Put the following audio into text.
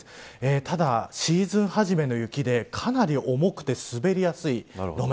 ただ、シーズン初めの雪でかなり重くて滑りやすい路面。